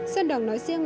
sơn đòn nói riêng